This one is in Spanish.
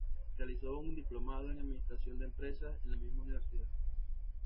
Realizó un diplomado en Administración de Empresas en la misma universidad.